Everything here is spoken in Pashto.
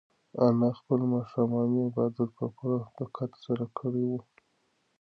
انا خپل ماښامنی عبادت په پوره دقت ترسره کړی و.